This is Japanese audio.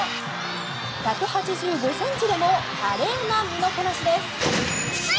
１８５ｃｍでも華麗な身のこなしです。